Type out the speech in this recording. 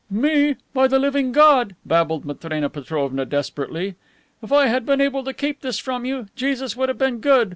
"Me! By the living God!" babbled Matrena Petrovna desperately. "If I had been able to keep this from you, Jesus would have been good!